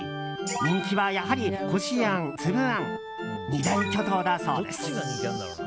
人気はやはりこしあん、つぶあん二大巨塔だそうです。